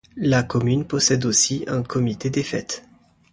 La commune possède aussi un comité des fêtes.